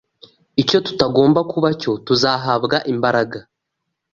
icyo tutagomba kuba cyo tuzahabwa imbaraga